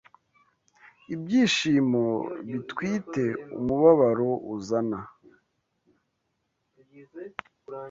Ibyishimo bitwite, umubabaro uzana